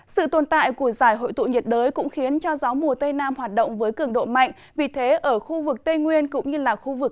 sự tồn tại của giải hội tụ nhiệt đới cũng khiến cho gió mùa tây nam hoạt động với cường độ mạnh